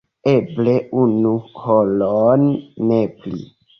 Eble unu horon, ne pli.